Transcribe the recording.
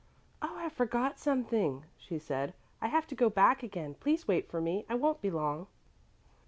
"Oh, I forgot something," she said. "I have to go back again. Please wait for me, I won't be long."